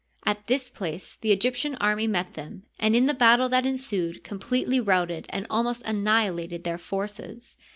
At this place the Egyptian army met them, and in the battle that ensued completely routed and almost annihilated their forces.